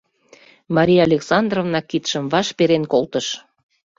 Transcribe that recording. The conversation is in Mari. — Мария Александровна кидшым ваш перен колтыш.